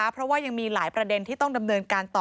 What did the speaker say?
เพราะว่ายังมีหลายประเด็นที่ต้องดำเนินการต่อ